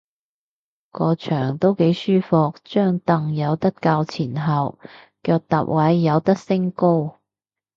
個場都幾舒服，張櫈有得較前後，腳踏位有得升高